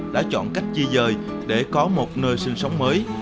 đã chọn cách di rời để có một nơi sinh sống mới